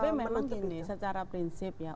tapi memang begini secara prinsip ya